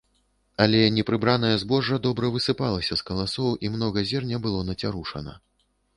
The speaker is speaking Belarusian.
Але непрыбранае збожжа добра высыпалася з каласоў і многа зерня было нацярушана.